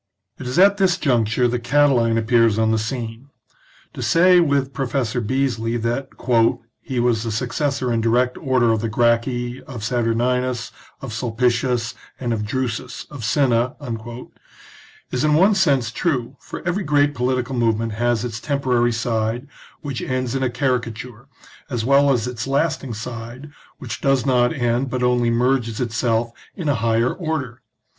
It is at this conjuncture that Catiline appears on the scene. To say, with Professor Beesly, that " he was the successor in direct order of the Gracchi, of Saturninus, of Sulpicius, and of Drusus, of Cinna," is in one sense true, for every great political movement has its temporary side, which ends in a caricature, as well as its lasting side, which does not end, but only merges itself in a higher order.